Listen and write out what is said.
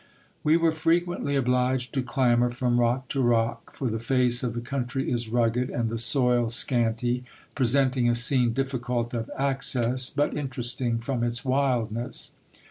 We were frequently obliged to clamber Tom rock to rock ; for the face of the country is rugged, and the soil scanty, presenting a scene difficult of access, but interesting from its wildness.